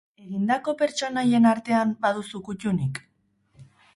Egindako pertsonaien artean, baduzu kuttunik?